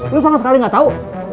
lu sama sekali nggak tahu